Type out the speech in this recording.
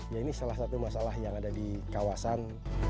ya ini salah satu masalah yang ada di kawasan